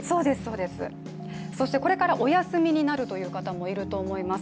そしてこれからお休みになるという方もいると思います。